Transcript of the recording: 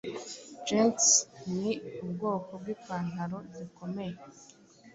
Jeans ni ubwoko bw'ipantaro zikomeye